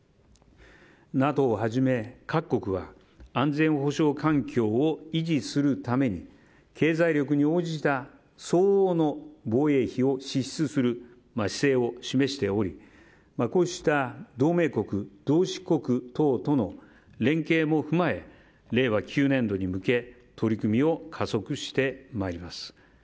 ＮＡＴＯをはじめ、各国が安全保障環境を維持するために経済力に応じた相応の防衛力を支出する姿勢を示しておりこうした同盟国、同志国等との連携も踏まえ、令和９年度に向け取り組みを加速してまいります。